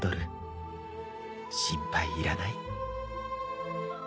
心配いらない。